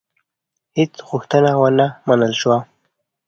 هیڅ غوښتنه ونه منل شوه.